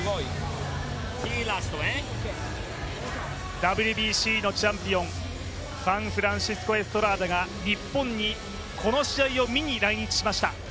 ＷＢＣのチャンピオン、ファン・フランシスコ・エストラーダが日本に、この試合を見に来日しました。